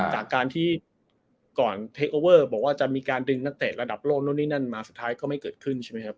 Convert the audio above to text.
จากการที่ก่อนเทคโอเวอร์บอกว่าจะมีการดึงนักเตะระดับโลกนู่นนี่นั่นมาสุดท้ายก็ไม่เกิดขึ้นใช่ไหมครับ